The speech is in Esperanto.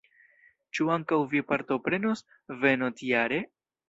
Ĉu ankaŭ vi partoprenos venontjare?